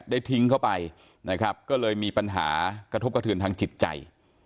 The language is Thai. ทิ้งเข้าไปนะครับก็เลยมีปัญหากระทบกระเทือนทางจิตใจ